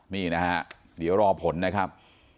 นี่นะฮะเดี๋ยวรอผลนะครับ